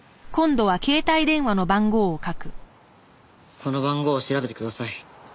この番号を調べてください。